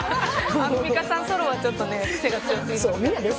アンミカさん、ソロはちょっと癖が強すぎる。